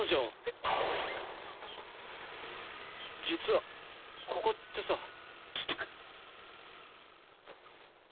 実はここってさ。